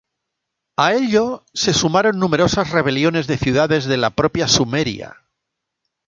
A ello se sumaron numerosas rebeliones de ciudades de la propia Sumeria.